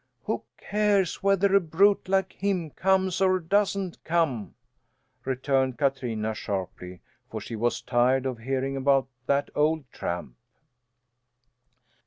"Who cares whether a brute like him comes or doesn't come!" returned Katrina sharply, for she was tired of hearing about that old tramp.